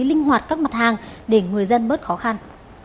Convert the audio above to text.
linh hoạt các mặt hàng để người dân bớt khó khăn